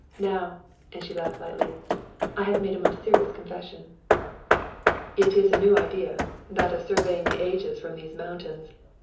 Now," and she laughed lightly, "I have made a most serious confession." "It is a new idea that of surveying the ages from these mountains.